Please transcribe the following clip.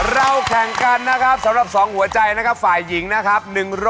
แข่งกันนะครับสำหรับ๒หัวใจนะครับฝ่ายหญิงนะครับ